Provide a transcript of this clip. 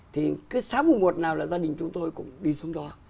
thì cứ sáng mùa một nào là gia đình chúng tôi cũng đi xuống đó